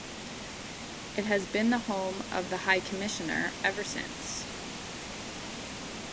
It has been the home of the High Commissioner ever since.